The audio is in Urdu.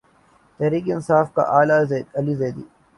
تحریک انصاف کے علی زیدی